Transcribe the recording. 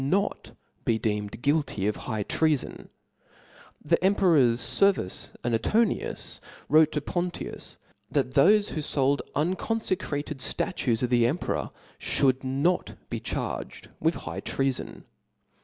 «'• M^f, not be deemed guilty of high treafon. The em perors Severus and Antoninus wrote to Pontius (J) ;^^^^^*^* that thofe who fold unconfecrated ftatues of the ibid, emperor, fhould not be charged with high treafon.